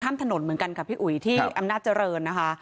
ข้ามถนนเหมือนกันค่ะพี่อุ๋ยที่อำนาจเจริญนะคะ